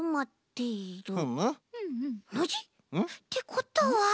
ノジ！ってことは。